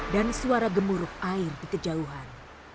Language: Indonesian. dan suara gemuruh air dikejauhan